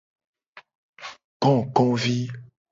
Kokovi.